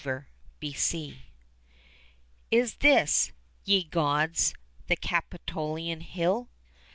AT ROME Is this, ye Gods, the Capitolian Hill?